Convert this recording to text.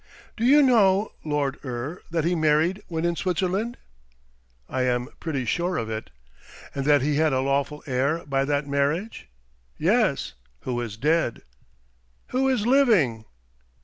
"Do you know, Lord Eure, that he married when in Switzerland?" "I am pretty sure of it." "And that he had a lawful heir by that marriage?" "Yes; who is dead." "Who is living."